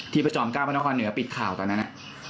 ที่ประจอมก้าวแม่นละครเหนือปิดข่าวตอนนั้น